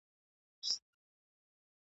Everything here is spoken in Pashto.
نازولي د خالق یو موږ غوثان یو .